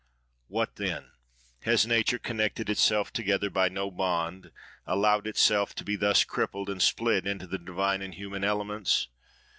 "What then? Has nature connected itself together by no bond, allowed itself to be thus crippled, and split into the divine and human elements?